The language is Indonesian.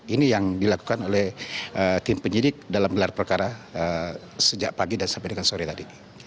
ini yang dilakukan oleh tim penyidik dalam gelar perkara sejak pagi dan sampai dengan sore tadi